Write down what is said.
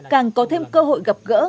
càng có thêm cơ hội gặp gỡ